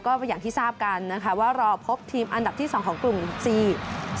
ก็อย่างที่ทราบกันนะคะว่ารอพบทีมอันดับที่๒ของกลุ่มซี